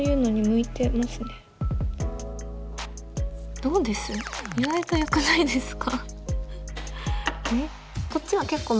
意外とよくないですか？